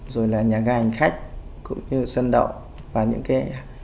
rồi là nhà ga hành khách cũng như là sân đậu và những cái